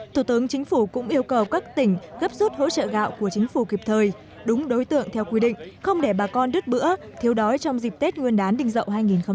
thủ tướng chính phủ cũng yêu cầu các tỉnh gấp rút hỗ trợ gạo của chính phủ kịp thời đúng đối tượng theo quy định không để bà con đứt bữa thiếu đói trong dịp tết nguyên đán đình dậu hai nghìn hai mươi